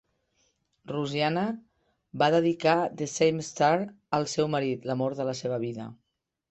Rusiana va dedicar "The Same Star" al seu marit, l"amor de la seva vida.